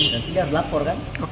dan tidak lapor kan